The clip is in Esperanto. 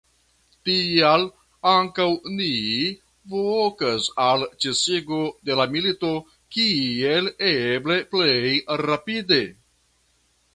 Tial ankaŭ ni vokas al ĉesigo de la milito kiel eble plej rapide.